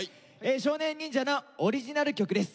少年忍者のオリジナル曲です。